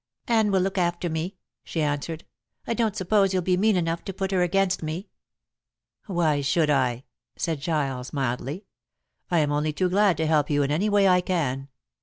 "Anne will look after me," she answered. "I don't suppose you'll be mean enough to put her against me." "Why should I?" said Giles mildly. "I am only too glad to help you in any way I can.